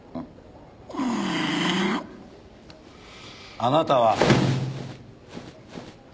あなたは。